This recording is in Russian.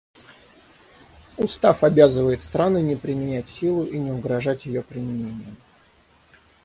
Устав обязывает страны не применять силу и не угрожать ее применением.